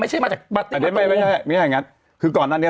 ไม่ใช่มาจากปาร์ตี้ไม่ใช่ไม่ใช่ไม่ใช่อย่างงั้นคือก่อนอันเนี้ย